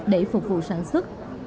để phục vụ sản xuất